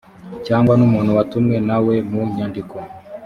cyangwa n umuntu watumwe na we mu nyandiko